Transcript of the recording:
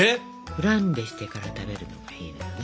フランベしてから食べるのがいいのよ。